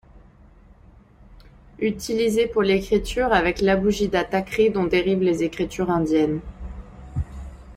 Utilisés pour l’écriture avec l’abugida tâkrî dont dérivent les écritures indiennes.